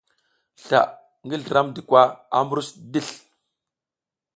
Sla ngi Slramdi kwa a mbruc disl.